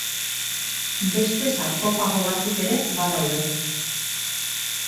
Beste sarkofago batzuk ere badaude.